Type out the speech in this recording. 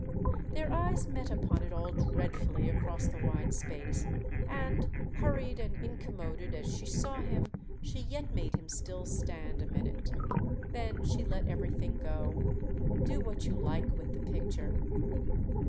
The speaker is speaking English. Their eyes met upon it all dreadfully across the wide space, and, hurried and incommoded as she saw him, she yet made him still stand a minute. Then she let everything go. "Do what you like with the picture!"